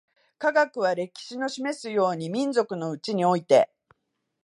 科学は、歴史の示すように、民族のうちにおいて